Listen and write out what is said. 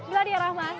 jual dia rahmat